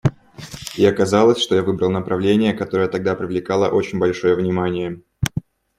И оказалось, что я выбрал направление, которое тогда привлекало очень большое внимание.